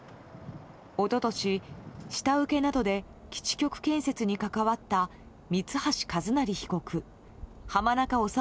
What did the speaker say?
一昨年、下請けなどで基地局建設に関わった三橋一成被告浜中治